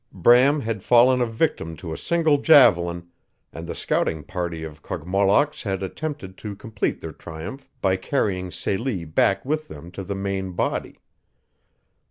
Bram had fallen a victim to a single javelin, and the scouting party of Kogmollocks had attempted to complete their triumph by carrying Celie back with them to the main body.